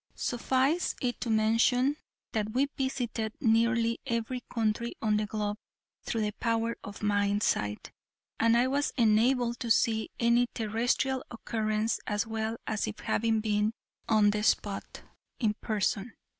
Suffice it to mention that we visited nearly every country on the globe through the power of mind sight, and I was enabled to see any terrestrial occurrence as well as if having been on the spot in person.